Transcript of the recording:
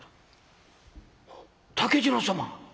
「竹次郎様」。